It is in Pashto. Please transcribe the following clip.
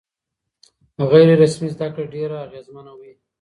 غیر رسمي زده کړه ډېره اغېزمنه وي.